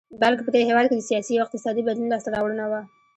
بلکې په دې هېواد کې د سیاسي او اقتصادي بدلون لاسته راوړنه وه.